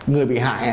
người bị hại